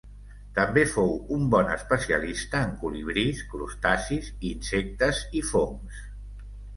També fou un bon especialista en colibrís, crustacis, insectes, i fongs.